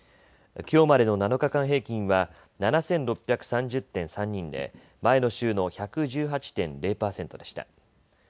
きょうまでの７日間平均は７６３０．３人で前の週の１１８．０％でした。